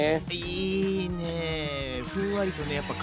いいね！